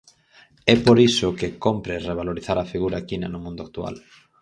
É por iso que cómpre revalorizar a figura equina no mundo actual.